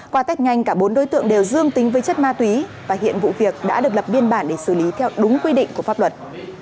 qua tết nhanh cả bốn đối tượng đều dương tính với chất ma túy và hiện vụ việc đã được lập biên bản để xử lý theo đúng quy định của pháp luật